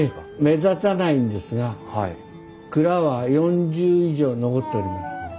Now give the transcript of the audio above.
目立たないんですが蔵は４０以上残っております。